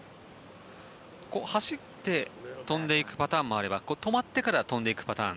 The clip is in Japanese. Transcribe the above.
走って飛んでいくパターンもあれば止まってから飛んでいくパターン。